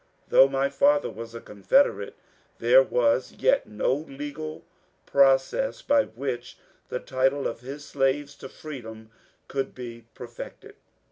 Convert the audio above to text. Though my father was a Confederate, there was as yet no legal pro cess by which the title of his slaves to freedom could be per fected.